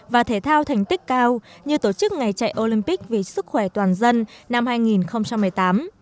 và thể thao thành tích cao như tổ chức ngày chạy olympic vì sức khỏe toàn dân năm hai nghìn một mươi tám